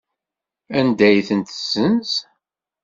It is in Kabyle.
Anda ay tent-tessenz?